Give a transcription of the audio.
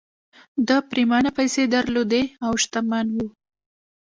ده پرېمانه پيسې درلودې او شتمن و